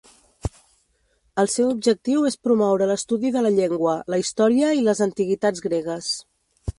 El seu objectiu és promoure l'estudi de la llengua, la història i les antiguitats gregues.